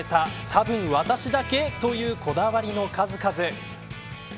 多分私だけというこだわりの数々。